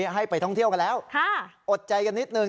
ให้ไปท่องเที่ยวกันแล้วอดใจกันนิดนึง